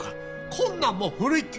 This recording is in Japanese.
こんなんもう古いって！